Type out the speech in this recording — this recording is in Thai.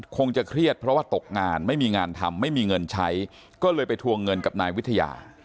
คงจะเครียดเพราะว่าตกงานไม่มีงานทำไม่มีเงินใช้ก็เลยไปทวงเงินกับนายวิทยา